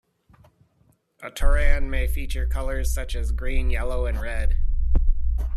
A toran may feature colours such as green, yellow and red.